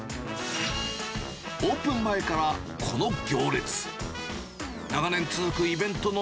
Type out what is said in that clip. オープン前からこの行列。